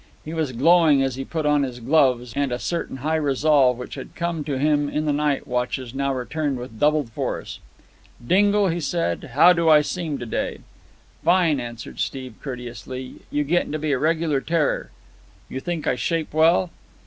He was glowing as he put on his clothes, and a certain high resolve which had come to him in the night watches now returned with doubled force. "Dingle," he said, "how did I seem to day?" "Fine," answered Steve courteously. "You're gettin' to be a regular terror." "You think I shape well?"